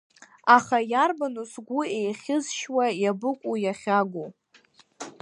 Аха иарбану сгәы еихьызшьуа, иабыкәу иахьагу?